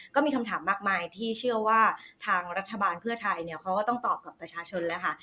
ก็มีคำถามมากมายที่เชื่อว่าทางรัฐบาลเพื่อไทยเนี่ยเขาก็ต้องตอบกับประชาชนแล้วค่ะ